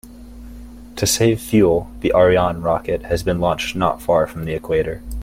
To save fuel, the Ariane rocket has been launched not far from the equator.